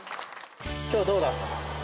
今日どうだった？